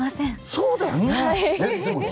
そうだよね。